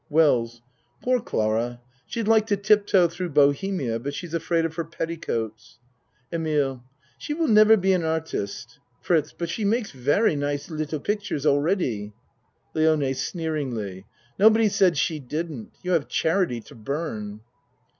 WELLS Poor Clara, she'd like to tip toe through bohemia, but she's afraid of her petticoats. EMILE She will never be an artist. FRITZ But she makes very nice little pictures already. LIONE (Sneeringly.) Nobody satd she didn't. You have charity to burn.